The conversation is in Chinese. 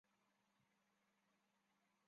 欧德维勒人口变化图示